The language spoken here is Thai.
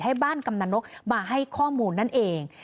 ให้บ้านกำนันนกมาให้ข้อมูลนั่นเอง